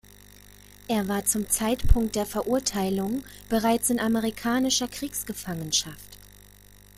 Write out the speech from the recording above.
Er war zum Zeitpunkt der Verurteilung bereits in amerikanischer Kriegsgefangenschaft.